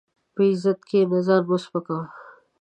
په عزت کښېنه، ځان مه سپکاوه.